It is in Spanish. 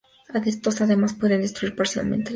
Estos, además, pueden destruir parcialmente el escenario.